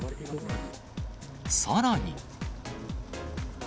さらに。